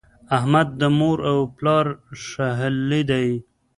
احمد د مور او پلار ښهلی دی.